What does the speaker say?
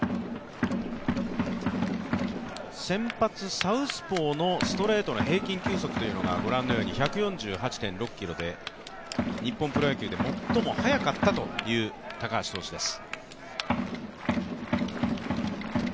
先発サウスポーのストレートの平均球速というのがご覧のように１４８．６キロで日本プロ野球で最も速かったという高橋投手です。